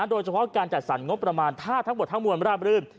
โดยเฉพาะการจัดสรรงบประมาณถ้าทั้งหมดทั้งมวลราบรื่น